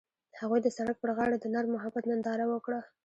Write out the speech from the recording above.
هغوی د سړک پر غاړه د نرم محبت ننداره وکړه.